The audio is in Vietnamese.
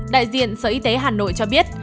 đại diện sở y tế hà nội cho biết